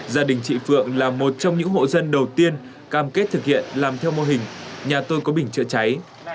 gia đình chị phượng là một trong những hộ dân đầu tiên cam kết thực hiện làm theo mô hình nhà tôi có bình chữa cháy